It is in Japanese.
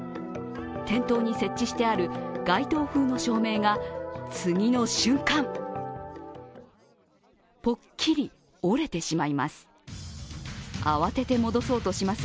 店頭に設置してある街頭風の照明が次の瞬間、ぽっきり折れてしまいます。